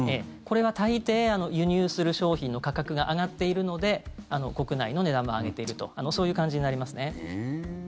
これは大抵輸入する商品の価格が上がっているので国内の値段も上げているとそういう感じになりますね。